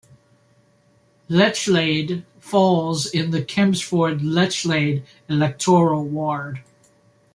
Lechlade falls in the Kempsford-Lechlade electoral ward.